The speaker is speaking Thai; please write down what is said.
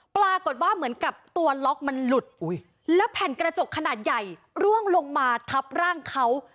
ปรากฏว่าเหมือนกับตัวล็อกมันหลุดแล้วแผ่นกระจกขนาดใหญ่ร่วงลงมาทับร่างเขา